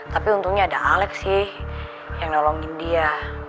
tapi untungnya ada alex sih yang nolongin dia